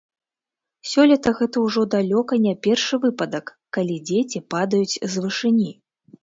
Сёлета гэта ўжо далёка не першы выпадак, калі дзеці падаюць з вышыні.